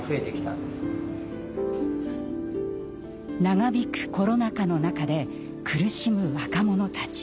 長引くコロナ禍の中で苦しむ若者たち。